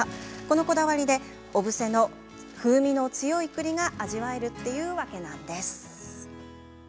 このこだわりで小布施の風味の強い栗が味わえるってわけなんですね。